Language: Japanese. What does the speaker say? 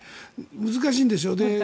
難しいんですよ。